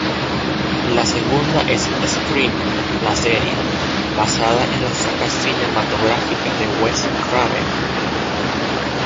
La segunda es "Scream: la serie", basada en la saga cinematográfica de Wes Craven.